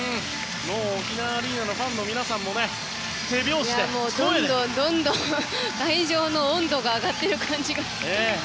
沖縄アリーナのファンの皆さんもどんどん会場の温度が上がっている感じが。